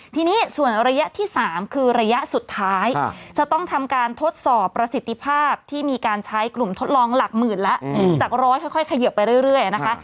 ทีนี้ส่วนระยะที่๓คือระยะสุดท้ายจะต้องทำการทดสอบประสิทธิภาพที่มีการใช้กลุ่มทดลองหลักหมื่นแล้วจากร้อยค่อยเขยิบไปเรื่อยนะคะ